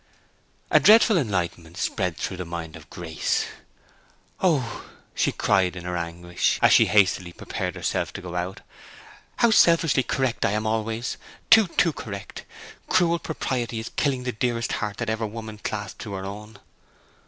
A dreadful enlightenment spread through the mind of Grace. "Oh," she cried, in her anguish, as she hastily prepared herself to go out, "how selfishly correct I am always—too, too correct! Cruel propriety is killing the dearest heart that ever woman clasped to her own."